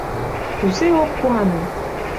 Кузе ок куане!